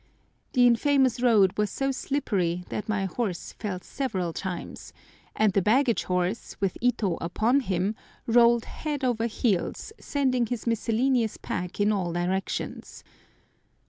The infamous road was so slippery that my horse fell several times, and the baggage horse, with Ito upon him, rolled head over heels, sending his miscellaneous pack in all directions.